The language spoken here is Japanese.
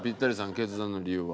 決断の理由は？